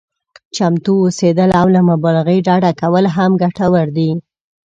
چمتو اوسېدل او له مبالغې ډډه کول هم ګټور دي.